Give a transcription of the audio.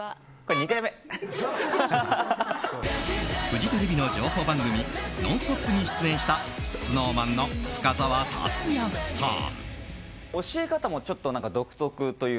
フジテレビの情報番組「ノンストップ！」に出演したＳｎｏｗＭａｎの深澤辰哉さん。